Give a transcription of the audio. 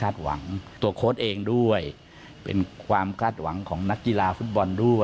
สร้างความกดดันนะครับ